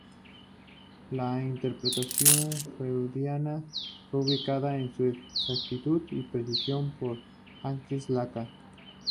La interpretación freudiana fue ubicada en su exactitud y precisión por Jacques Lacan.